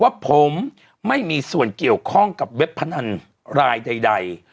ว่าผมไม่มีส่วนเกี่ยวข้องกับเว็บพนันรายใด